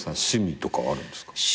趣味とかあるんですか？